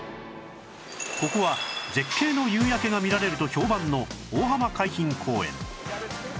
ここは絶景の夕焼けが見られると評判の大浜海浜公園